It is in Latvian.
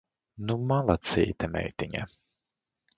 Nu malacīte meitiņa!